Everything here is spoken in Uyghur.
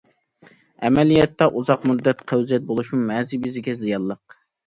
ئەمەلىيەتتە، ئۇزاق مۇددەت قەۋزىيەت بولۇشمۇ مەزى بېزىگە زىيانلىق.